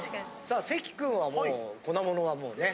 さあ関くんはもう粉物はもうね。